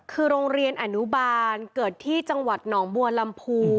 คือโรงเรียนอนุบาลเกิดที่จังหวัดหนองบัวลำพู